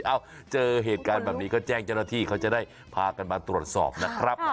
เอ้าเจอเหตุการณ์แบบนี้ก็แจ้งเจ้าหน้าที่เขาจะได้พากันมาตรวจสอบนะครับ